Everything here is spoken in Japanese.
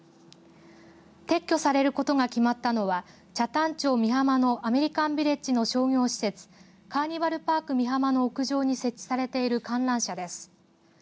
撤去されることが決まったのは北谷町美浜のアメリカンビレッジの商業施設カーニバルパーク・ミハマの屋上に設置されている観覧車です。